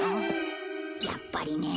やっぱりね。